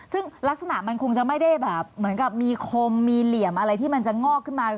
ซึ่งลักษณะมันคงจะไม่ได้แบบเหมือนกับมีคมมีเหลี่ยมอะไรที่มันจะงอกขึ้นมา